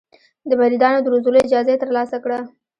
د مریدانو د روزلو اجازه یې ترلاسه کړه.